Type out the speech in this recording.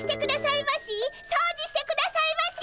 そうじしてくださいまし！